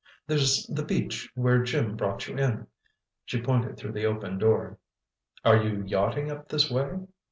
There's the beach where Jim brought you in." She pointed through the open door. "Are you yachting up this way?"